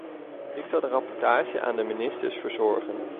Ik zal de rapportage aan de ministers verzorgen.